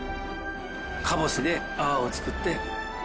かぼすで泡を作って。